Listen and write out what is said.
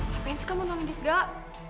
ngapain sih kamu nolongin dia segala